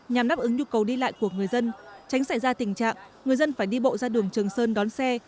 nhằm đáp ứng nhu cầu đi lại của người dân tránh xảy ra tình trạng người dân phải đi bộ ra đường trường sơn đón xe